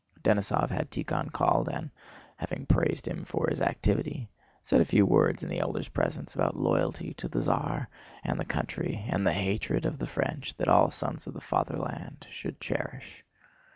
Denísov had Tíkhon called and, having praised him for his activity, said a few words in the elder's presence about loyalty to the Tsar and the country and the hatred of the French that all sons of the fatherland should cherish.